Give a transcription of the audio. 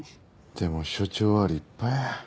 でも署長は立派や。